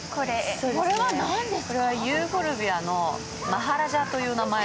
これは何ですか？